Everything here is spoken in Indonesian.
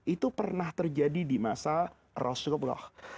itu pernah terjadi di masa rasulullah